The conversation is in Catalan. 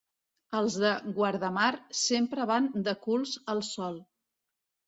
Els de Guardamar, sempre van de culs al sol.